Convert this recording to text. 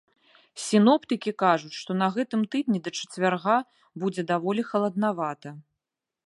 Сіноптыкі кажуць, што на гэтым тыдні да чацвярга будзе даволі халаднавата.